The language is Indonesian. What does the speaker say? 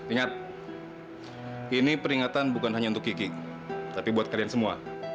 ingat ini peringatan bukan hanya untuk kiking tapi buat kalian semua